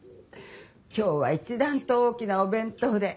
今日は一段と大きなお弁当で。